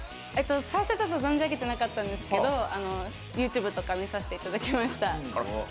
最初ちょっと存じ上げてなかったんですけど、ＹｏｕＴｕｂｅとか見させていただきました。